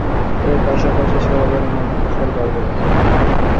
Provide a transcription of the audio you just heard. এর পাশাপাশি পোর্ট সৈয়দের অন্যান্য সুফল তো বাড়বেই।